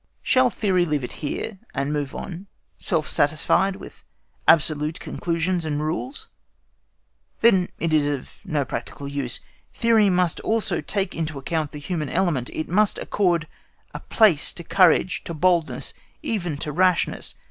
Shall theory leave it here, and move on, self satisfied with absolute conclusions and rules? Then it is of no practical use. Theory must also take into account the human element; it must accord a place to courage, to boldness, even to rashness.